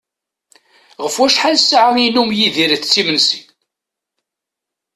Ɣef wacḥal ssaɛa i yennum Yidir itett imensi?